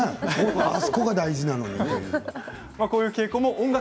あそこが大事なのね。